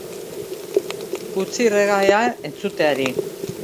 Utzi reggaea entzuteari.